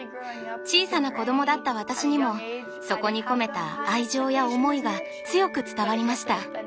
小さな子供だった私にもそこに込めた愛情や思いが強く伝わりました。